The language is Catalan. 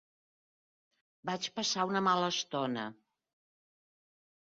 Vaig passar una mala estona.